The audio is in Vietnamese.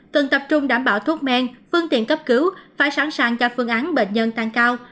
cần tập trung đảm bảo thuốc men phương tiện cấp cứu phải sẵn sàng cho phương án bệnh nhân tăng cao